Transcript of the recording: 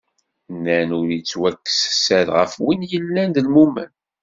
Nnan ur yettwakkes sser, ɣef win yellan d lmumen.